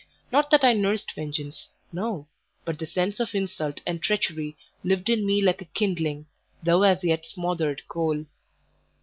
Not that I nursed vengeance no; but the sense of insult and treachery lived in me like a kindling, though as yet smothered coal.